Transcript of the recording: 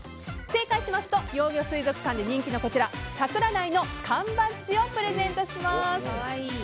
正解しますと幼魚水族館で人気のこちら、サクラダイの缶バッジをプレゼントします。